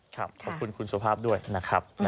ขอบคุณคุณสุภาพด้วยนะครับ